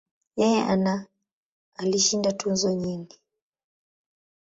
Yeye ana alishinda tuzo nyingi.